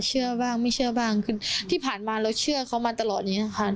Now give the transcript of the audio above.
เชื่อบ้างไม่เชื่อบ้างขึ้นที่ผ่านมาเราเชื่อเขามาตลอดอย่างนี้ค่ะ